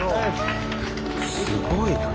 すごいな。